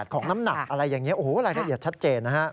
ของน้ำหนักอะไรอย่างนี้โอ้โหรายละเอียดชัดเจนนะฮะ